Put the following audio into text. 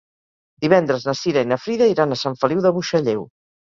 Divendres na Cira i na Frida iran a Sant Feliu de Buixalleu.